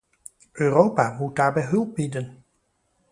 Europa moet daarbij hulp bieden.